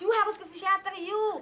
you harus ke fisioter you